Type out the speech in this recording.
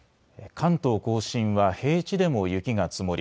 関東甲信は平地でも雪が積もり